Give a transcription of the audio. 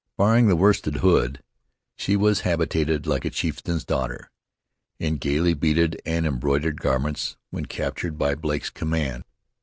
Barring that worsted hood, she was habited like a chieftain's daughter, in gaily beaded and embroidered garments, when recaptured by Blake's command.